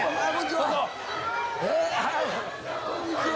はいこんにちは。